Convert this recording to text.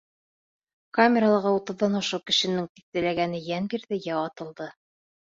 Камералағы утыҙҙан ашыу кешенең тиҫтәләгәне йән бирҙе, йә атылды.